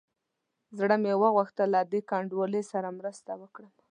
زړه مې وغوښتل له دې کنډوالې سره مرسته وکړم.